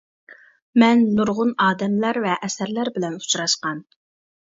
مەن نۇرغۇن ئادەملەر ۋە ئەسەرلەر بىلەن ئۇچراشقان.